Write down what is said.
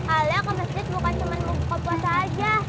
alia ke masjid buka cuman mau buka puasa aja